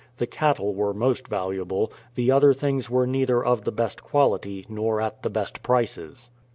The cattle were most vahiable ; the other things were neither of the best quality nor at the best prices.